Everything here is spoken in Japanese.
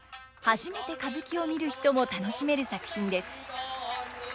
初めて歌舞伎を見る人も楽しめる作品です。